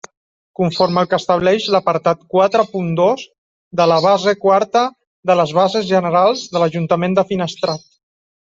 Conforme al que estableix l'apartat quatre punt dos de la base quarta de les bases generals de l'Ajuntament de Finestrat.